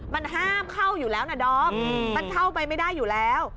มันห้ามเข้าอยู่แล้วนะดอมมันเข้าไปไม่ได้อยู่แล้ว